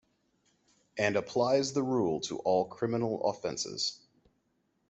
And applies the rule to all criminal offenses.